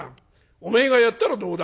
おめえがやったらどうだ」。